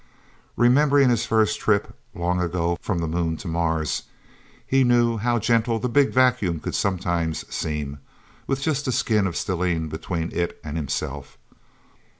Remembering his first trip, long ago, from the Moon to Mars, he knew how gentle the Big Vacuum could sometimes seem, with just a skin of stellene between it and himself.